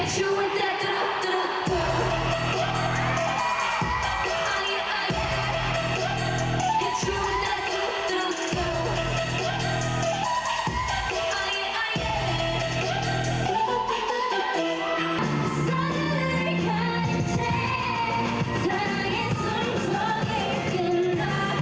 เสียงเพลง